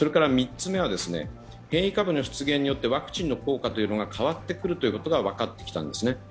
３つ目は、変異株の出現によってワクチンの効果が変わってくることが分かってきたんですね。